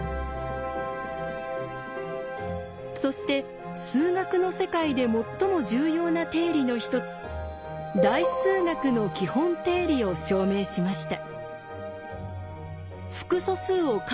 そして数学の世界で最も重要な定理の一つ「代数学の基本定理」を証明しました。